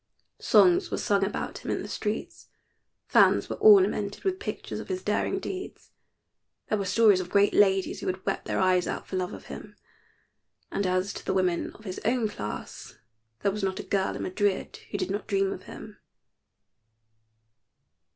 Songs were sung about him in the streets, fans were ornamented with pictures of his daring deeds, there were stories of great ladies who had wept their eyes out for love of him, and as to the women of his own class, there was not a girl in Madrid who did not dream of him.